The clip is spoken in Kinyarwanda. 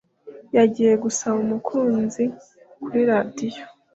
yagiye gusaba umukunzi kuri radiyo